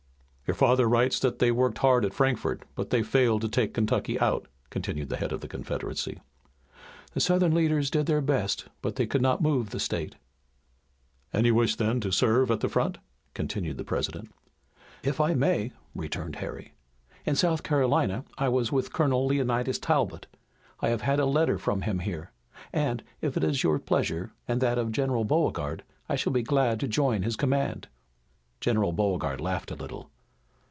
"Your father writes that they worked hard at Frankfort, but that they failed to take Kentucky out," continued the head of the Confederacy. "The Southern leaders did their best, but they could not move the state." "And you wish, then, to serve at the front?" continued the President. "If I may," returned Harry. "In South Carolina I was with Colonel Leonidas Talbot. I have had a letter from him here, and, if it is your pleasure and that of General Beauregard, I shall be glad to join his command." General Beauregard laughed a little.